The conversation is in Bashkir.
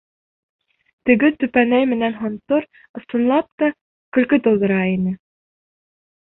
Теге төпәнәй менән һонтор, ысынлап та, көлкө тыуҙыра ине шул.